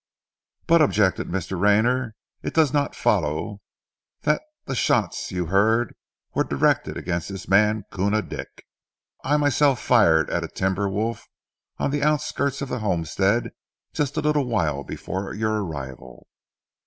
"But," objected Mr. Rayner, "it does not follow that the shots you heard were directed against this man Koona Dick? I myself fired at a timber wolf on the outskirts of the homestead just a little while before your arrival."